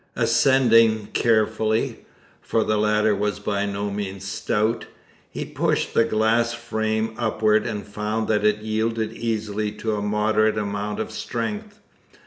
Ascending carefully for the ladder was by no means stout he pushed the glass frame upward and found that it yielded easily to a moderate amount of strength.